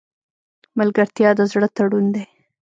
ملګرتیا د زړه تړون دی.